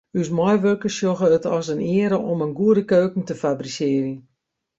Us meiwurkers sjogge it as in eare om in goede keuken te fabrisearjen.